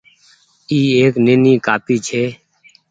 اي ايڪ نيني ڪآپي ڇي۔